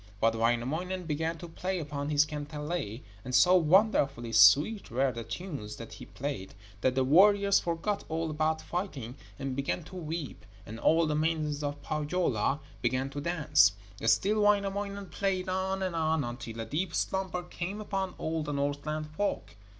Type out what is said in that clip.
But Wainamoinen began to play upon his kantele, and so wonderfully sweet were the tunes that he played, that the warriors forgot all about fighting and began to weep, and all the maidens of Pohjola began to dance. Still Wainamoinen played on and on, until a deep slumber came upon all the Northland folk.